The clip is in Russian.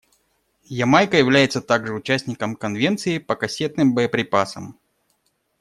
Ямайка является также участником Конвенции по кассетным боеприпасам.